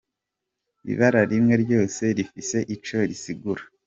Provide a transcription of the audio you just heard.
Ibara rimwe ryose rifise ico risigura.